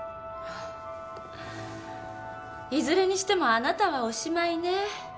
いずれにしてもあなたはおしまいね。